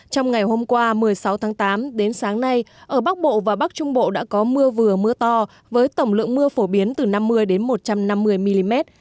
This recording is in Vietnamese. trong ngày hôm qua một mươi sáu tháng tám đến sáng nay ở bắc bộ và bắc trung bộ đã có mưa vừa mưa to với tổng lượng mưa phổ biến từ năm mươi một trăm năm mươi mm